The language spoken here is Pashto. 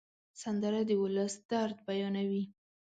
سندره د ولس درد بیانوي